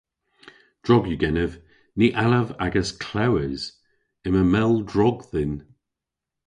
"Drog yw genev, ny allav agas klewes. Yma mell drog dhyn."